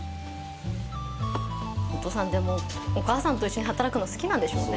お父さんでもお母さんと一緒に働くの好きなんでしょうね。